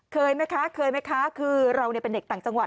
เคยไหมคะคือเราเป็นเอกต่างจังหวัด